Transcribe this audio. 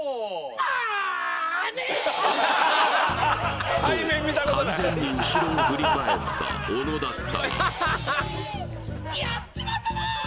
なぁに？と完全に後ろを振り返った小野だったがやっちまったな！